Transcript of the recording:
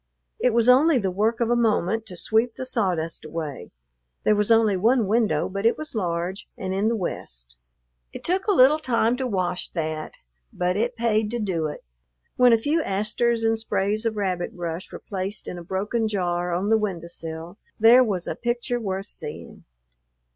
It was only the work of a moment to sweep the sawdust away. There was only one window, but it was large and in the west. It took a little time to wash that, but it paid to do it. When a few asters and sprays of rabbit brush were placed in a broken jar on the window sill, there was a picture worth seeing.